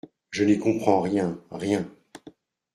Je n’y comprends rien, rien.